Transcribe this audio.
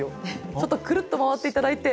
ちょっとくるっと回って頂いて。